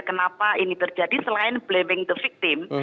kenapa ini terjadi selain blaving the victim